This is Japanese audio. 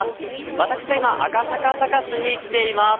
私は今、赤坂サカスに来ています。